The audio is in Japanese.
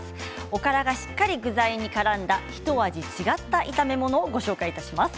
おからがしっかり具材にからんだひと味違った炒め物をご紹介します。